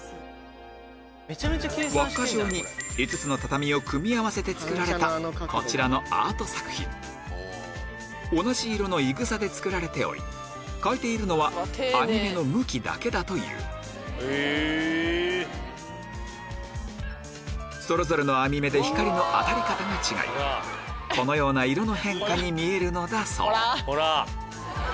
わっか状に５つの畳を組み合わせて作られたこちらのアート作品同じ色のイ草で作られており変えているのは編み目の向きだけだというそれぞれの編み目で光の当たり方が違いこのような色の変化に見えるのだそう